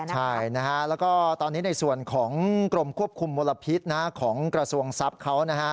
ใช่นะฮะแล้วก็ตอนนี้ในส่วนของกรมควบคุมมลพิษของกระทรวงทรัพย์เขานะฮะ